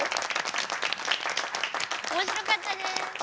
おもしろかったです。